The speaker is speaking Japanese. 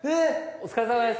お疲れさまです！